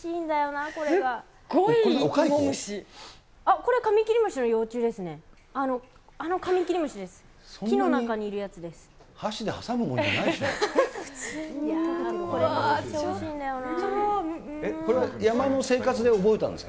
あのカミキリムシです。